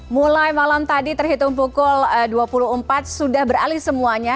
mulai malam tadi terhitung pukul dua puluh empat sudah beralih semuanya